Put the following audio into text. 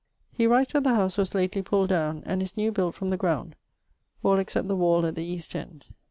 He writes that the house was lately pulled down, and is new built from the ground, all except the wall at the east end.